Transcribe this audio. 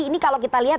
ini kalau kita lihat